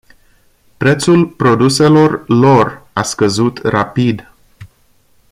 Prețul produselor lor a scăzut rapid.